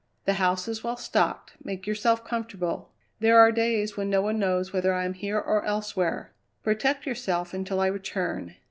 The house is well stocked; make yourself comfortable. There are days when no one knows whether I am here or elsewhere. Protect yourself until I return.